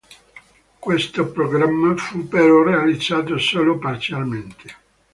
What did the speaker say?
Questo programma fu però realizzato solo parzialmente.